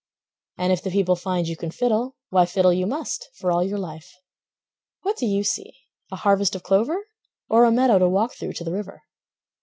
And if the people find you can fiddle, Why, fiddle you must, for all your life. What do you see, a harvest of clover? Or a meadow to walk through to the river?